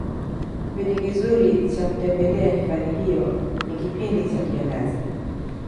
kipindi kizuri Cha kutembelea hifadhi hiyo ni kipindi cha kiangazi